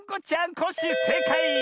コッシーせいかい！